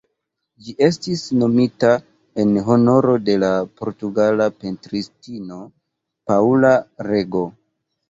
Ĝi estis nomita en honoro de la portugala pentristino Paula Rego.